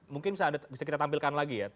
mungkin bisa kita tampilkan lagi ya